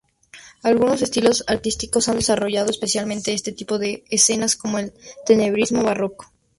Algunos estilos artísticos han desarrollado especialmente este tipo de escenas, como el tenebrismo barroco.